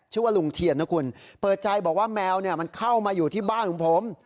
ชื่อว่าลุงเทียนนะคุณเปิดใจบอกว่าแมวมันเข้ามาอยู่ที่บ้านของผม